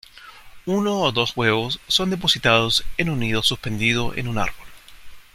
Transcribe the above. Uno o dos huevos son depositados en un nido suspendido en un árbol.